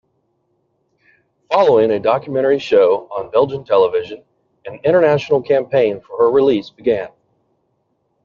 Following a documentary shown on Belgian television, an international campaign for her release began.